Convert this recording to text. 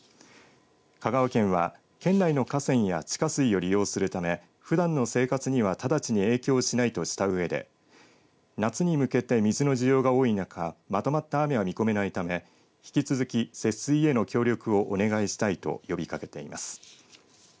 香川県は県内の河川や地下水を利用するため、ふだんの生活には直ちに影響しないとしたうえで夏に向けて水の需要が多い中まとまった雨は見込めないため引き続き節水への協力をお願いしたいと呼びかけています。